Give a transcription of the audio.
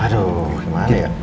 aduh gimana ya